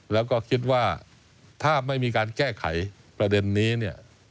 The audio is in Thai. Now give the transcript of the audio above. แล้วก็คิดว่าถ้าไม่มีการแก้ไขประเด็นนี้เนี่ย